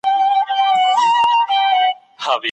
که هوډ وي نو غر نه خنډ کیږي.